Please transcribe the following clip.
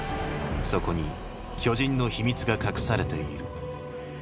そこに巨人の秘密が隠されている。